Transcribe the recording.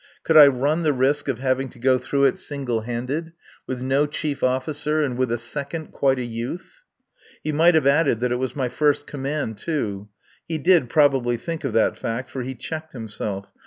Could I run the risk of having to go through it single handed, with no chief officer and with a second quite a youth? ... He might have added that it was my first command, too. He did probably think of that fact, for he checked himself.